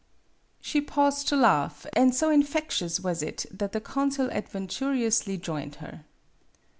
" She paused to laugh, and so infectious was it that the consul adventurously joined her.